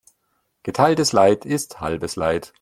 Geteiltes Leid ist halbes Leid.